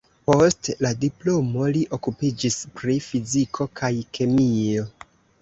Post la diplomo li okupiĝis pri fiziko kaj kemio.